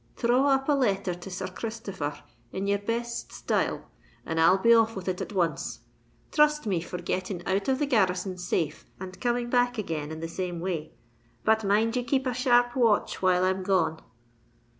Dthraw up a letter to Sir r Christopher r in your best style; and I'll be off with it at once. Trust me for getting out of the garrison safe and coming back again in the same way; but mind and keep a sharp watch while I'm gone."